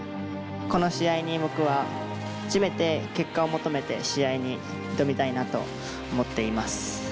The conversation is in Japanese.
この試合に僕は初めて結果を求めて試合に挑みたいなと思っています。